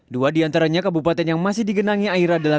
dua di antaranya kabupaten yang masih digenangi air adalah